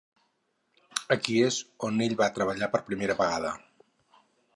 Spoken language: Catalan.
Aquí és on ell va treballar per primera vegada.